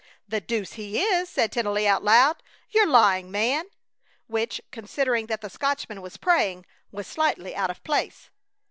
"The deuce he is!" said Tennelly, out loud. "You're lying, man!" which, considering that the Scotchman was praying, was slightly out of place.